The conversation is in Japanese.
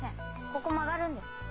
ここ曲がるんです。